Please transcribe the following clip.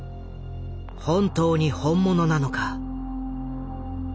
本当に本物なのか？